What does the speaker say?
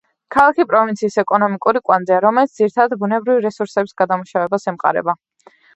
ქალაქი პროვინციის ეკონომიკური კვანძია, რომელიც ძირითადად ბუნებრივი რესურსების გადამუშავებას ემყარება.